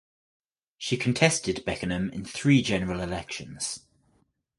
She contested Beckenham in three general elections.